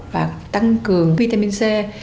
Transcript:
và tăng cường vitamin c